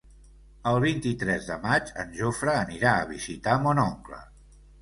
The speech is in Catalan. El vint-i-tres de maig en Jofre anirà a visitar mon oncle.